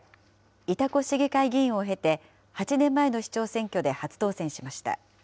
潮来市議会議員を経て、８年前の市長選挙で初当選しました。